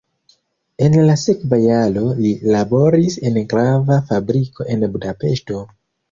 En la sekva jaro li laboris en grava fabriko en Budapeŝto.